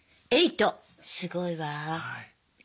すごいわ。